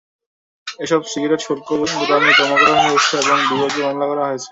এসব সিগারেট শুল্ক গুদামে জমা করা হয়েছে এবং বিভাগীয় মামলা করা হয়েছে।